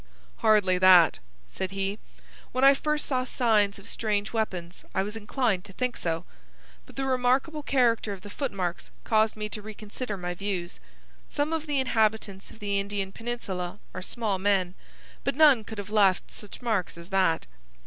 "Hardly that," said he. "When first I saw signs of strange weapons I was inclined to think so; but the remarkable character of the footmarks caused me to reconsider my views. Some of the inhabitants of the Indian Peninsula are small men, but none could have left such marks as that.